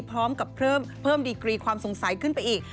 พร้อมกับเพิ่มดีกรีความสงสัยขึ้นไปอีก